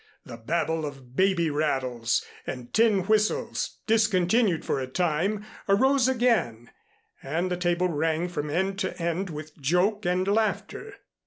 The babel of baby rattles and tin whistles, discontinued for a time, arose again and the table rang from end to end with joke and laughter.